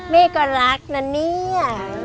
แม่ก็รักนะเนี่ย